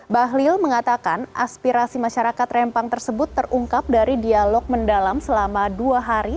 bahlil mengatakan aspirasi masyarakat rempang tersebut terungkap dari dialog mendalam selama dua hari